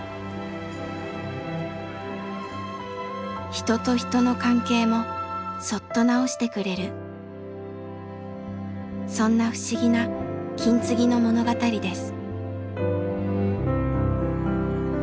人と人の関係もそっと直してくれるそんな不思議な金継ぎの物語です。